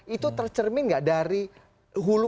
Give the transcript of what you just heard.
itu tercermin nggak dari hulu